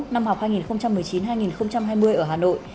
năm học hai nghìn một mươi chín hai nghìn hai mươi ở hà nội